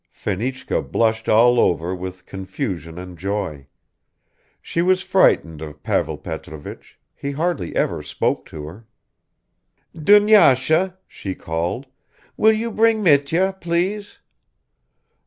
Fenichka blushed all over with confusion and joy. She was frightened of Pavel Petrovich; he hardly ever spoke to her. "Dunyasha," she called. "Will you bring Mitya, please?"